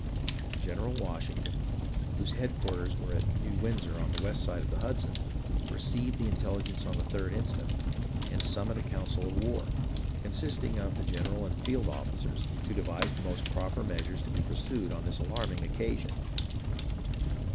General Washington, whose headquarters were at New Windsor on the west side of the Hudson, received the intelligence on the 3d instant, and summoned a council of war, consisting of the general and field officers, to devise the most proper measures to be pursued on this alarming occasion.